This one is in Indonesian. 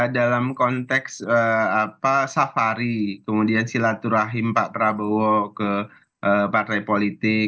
dalam konteks safari kemudian silaturahim pak prabowo ke partai politik